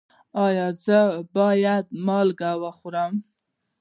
ایا زه باید مالګه وخورم؟